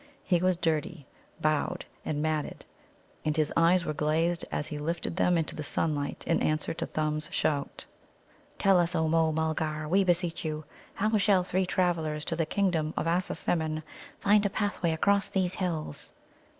He was dirty, bowed, and matted, and his eyes were glazed as he lifted them into the sunlight in answer to Thumb's shout: "Tell us, O Môh mulgar, we beseech you, how shall three travellers to the kingdom of Assasimmon find a pathway across these hills?"